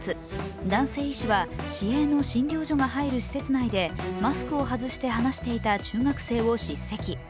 男性医師は市営の診療所が入る施設内でマスクを外して話していた中学生を叱責。